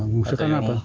mengungsi karena apa